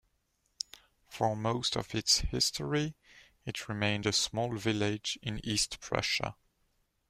For most of its history it remained a small village in East Prussia.